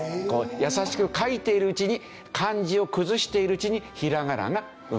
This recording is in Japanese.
易しく書いているうちに漢字を崩しているうちにひらがなが生まれた。